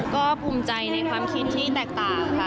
ก็ภูมิใจในความคิดที่แตกต่างค่ะ